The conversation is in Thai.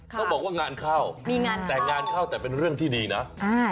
ต้องบอกว่างานเข้าแต่งานเข้าแต่เป็นเรื่องที่ดีเนาะ